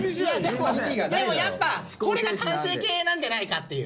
でもやっぱこれが完成形なんじゃないかっていう。